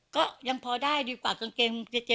ก็ยังพอได้ดีกว่ากางเกงเจ๊